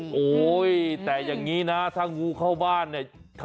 โอ้โหแต่อย่างนี้นะถ้างูเข้าบ้านเนี่ย